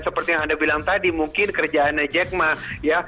seperti yang anda bilang tadi mungkin kerjaannya jack ma